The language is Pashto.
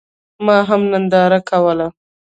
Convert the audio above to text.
ما هم ننداره کوله.